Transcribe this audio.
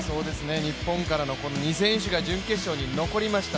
日本からの２選手が準決勝に残りました。